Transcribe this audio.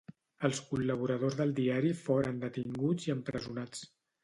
Els col·laboradors del diari foren detinguts i empresonats.